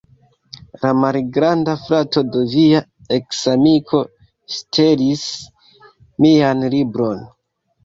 La malgranda frato de via eksamiko ŝtelis mian libron